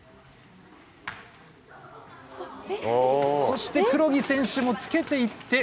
そして黒木選手もつけていって。